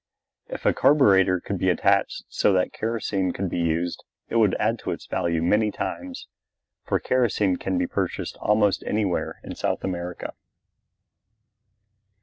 If a carburetor could be attached so that kerosene could be used it would add to its value many times, for kerosene can be purchased almost anywhere in South America.